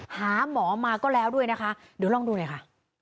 หาหมอมาก็แล้วด้วยนะคะเดี๋ยวลองดูหน่อยค่ะ